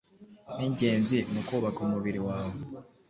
Ningenzi mu kubaka umubiri wawe